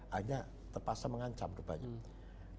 hanya terpaksa mengancam kebanyakan